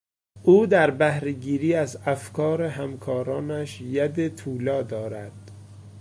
او در بهرهگیری از افکار همکارانش ید طولا دارد.